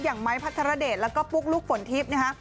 อย่างไม้พัทรเดชแล้วก็ปุ๊กลุกฝนทิพย์